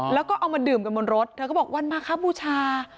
แล้วก็เอามาดื่มกันบนรถเธอก็บอกวันมาครับบูชา